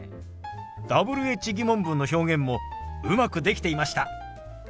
Ｗｈ−疑問文の表現もうまくできていました。